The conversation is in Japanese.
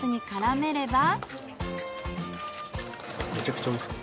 めちゃくちゃおいしそう。